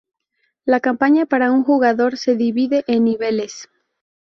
La campaña para un jugador se divide en niveles.